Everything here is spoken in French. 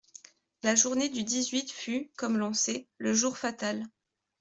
La journée du dix-huit fut, comme l'on sait, le jour fatal.